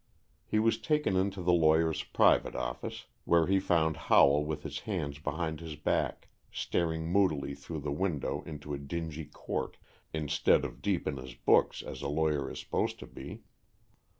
He was taken into the lawyer's private office, where he found Howell with his hands behind his back, staring moodily through the window into a dingy court, instead of deep in his books as a lawyer is supposed to be.